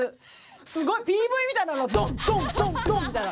すごいＰＶみたいなのがドンドンドンドンみたいな。